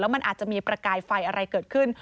มันอาจจะมีประกายไฟอะไรเกิดขึ้น